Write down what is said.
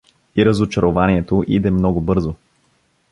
И разочарованието иде много бързо.